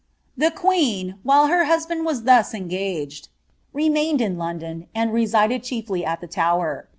The queen, while her husband was thus engaged) reipained in Lon don, and resided chiefly at the Tower.